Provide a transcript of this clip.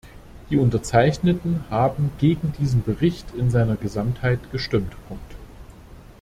Die Unterzeichnenden haben gegen diesen Bericht in seiner Gesamtheit gestimmt.